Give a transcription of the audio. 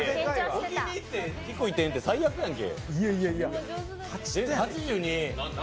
置きにいって低い点って最低やんけ。